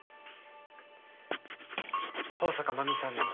向坂麻美さんに。